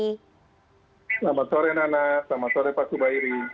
selamat sore nana selamat sore pak subairi